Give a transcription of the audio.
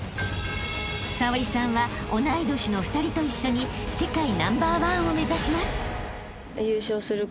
［早織さんは同い年の２人と一緒に世界ナンバーワンを目指します］